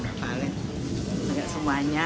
maaf sama bapak lain